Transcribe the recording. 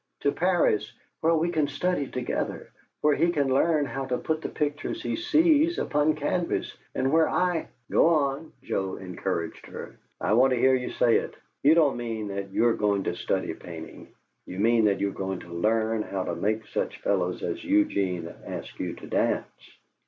To Paris, where we can study together, where he can learn how to put the pictures he sees upon canvas, and where I " "Go on," Joe encouraged her. "I want to hear you say it. You don't mean that you're going to study painting; you mean that you're going to learn how to make such fellows as Eugene ask you to dance.